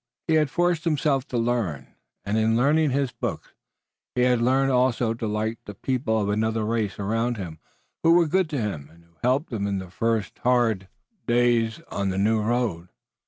He had forced himself to learn and in learning his books he had learned also to like the people of another race around him who were good to him and who helped him in the first hard days on the new road.